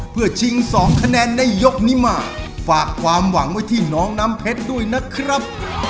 เพื่อชิงสองคะแนนในยกนี้มาฝากความหวังไว้ที่น้องน้ำเพชรด้วยนะครับ